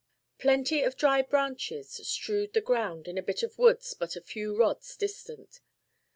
Plenty of dry branches strewed the ground in a bit of woods but a few rods distant.